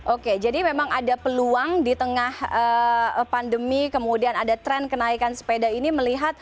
oke jadi memang ada peluang di tengah pandemi kemudian ada tren kenaikan sepeda ini melihat